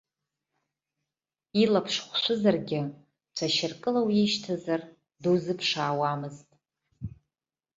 Илаԥш хәшәызаргьы, цәашьыркыла уишьҭазар дузыԥшаауамызт.